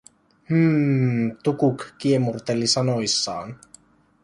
Hmmm" Tukuk kiemurteli sanoissaan.